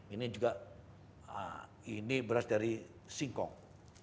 ini juga ini beras dari singkong